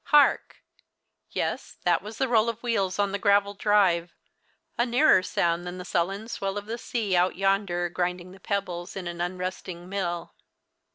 Hark ! Yes, that was the roll of wheels on the gravel drive, a nearer sound than the sullen swell of the sea out yonder grinding the pebbles in an unresting mill.